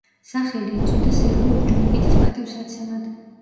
სახელი ეწოდა სერგო ორჯონიკიძის პატივსაცემად.